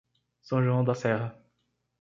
São João da Serra